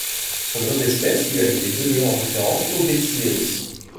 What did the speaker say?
Son nom d'espèce lui a été donné en référence aux Betsileos.